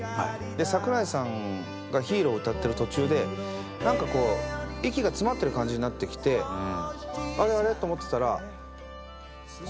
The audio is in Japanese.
桜井さんが『ＨＥＲＯ』を歌ってる途中で何か息が詰まってる感じになってきて「あれ？あれ？」と思ってたら。